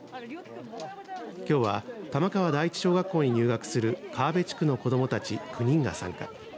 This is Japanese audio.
きょうは玉川第一小学校に入学する川辺地区の子どもたち９人が参加。